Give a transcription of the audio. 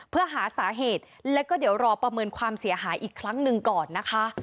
เพื่อหาสาเหตุแล้วก็เดี๋ยวรอประเมินความเสียหายอีกครั้งหนึ่งก่อนนะคะ